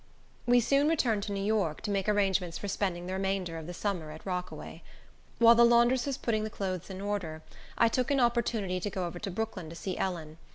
We soon returned to New York, to make arrangements for spending the remainder of the summer at Rockaway. While the laundress was putting the clothes in order, I took an opportunity to go over to Brooklyn to see Ellen.